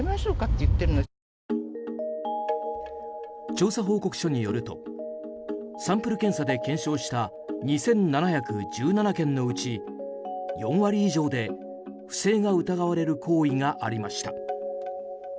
調査報告書によるとサンプル検査で検証した２７１７件のうち、４割以上で不正が疑われる行為がありました。